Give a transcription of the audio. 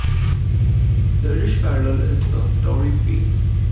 The Irish parallel is the Dowris Phase.